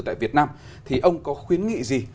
tại việt nam thì ông có khuyến nghị gì